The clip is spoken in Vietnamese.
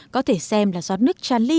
có thể xem là giót nước tràn ly